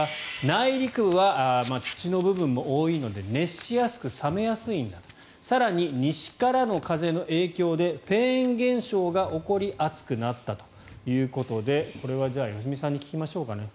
内陸部は土の部分も多いので熱しやすく冷めやすい更に西からの風の影響でフェーン現象が起こり暑くなったということでこれは良純さんに聞きましょうかね。